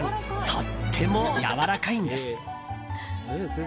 とってもやわらかいんです。